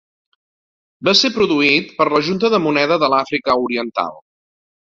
Va ser produït per la Junta de Moneda de l'Àfrica Oriental.